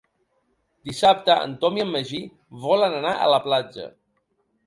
Dissabte en Tom i en Magí volen anar a la platja.